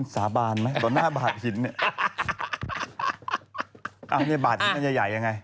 สาบานไหมต่อหน้าบาดหินเนี่ยบาดหินมันจะใหญ่ยังไง